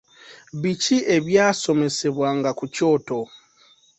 Biki ebyasomesebwanga ku kyoto?